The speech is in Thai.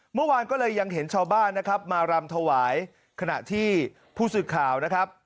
เมื่อวานก็เลยยังเห็นชาวบ้านนะครับมารำถวายขณะที่ผู้สื่อข่าวนะครับ